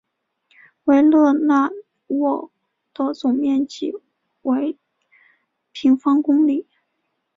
维勒讷沃的总面积为平方公里。